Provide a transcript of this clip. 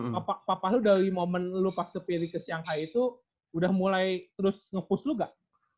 tapi papa lu dari momen lu pas ke piri ke siangkai itu udah mulai terus nge push lu gak